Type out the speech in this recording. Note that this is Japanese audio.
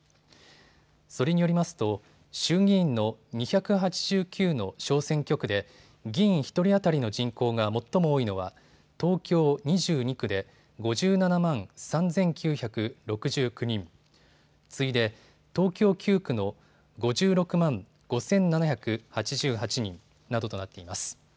それによりますと衆議院の２８９の小選挙区で議員１人当たりの人口が最も多いのは東京２２区で５７万３９６９人、次いで、東京９区の５６万５７８８人などとなっています。